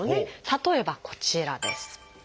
例えばこちらです。